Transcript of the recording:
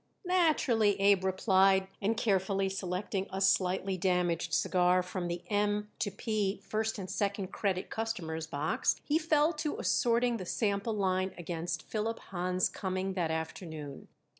"Naturally," Abe replied, and carefully selecting a slightly damaged cigar from the M to P first and second credit customers' box, he fell to assorting the sample line against Philip Hahn's coming that afternoon.